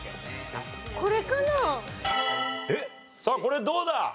さあこれどうだ？